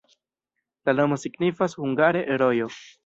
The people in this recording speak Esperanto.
La nomo signifas hungare: rojo.